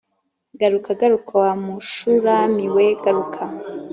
garuka garuka wa mushulami we garuka